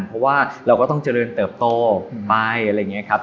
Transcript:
เพราะว่าเราก็ต้องเจริญเติบโตไปอะไรอย่างนี้ครับ